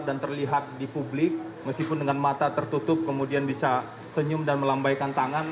terlihat di publik meskipun dengan mata tertutup kemudian bisa senyum dan melambaikan tangan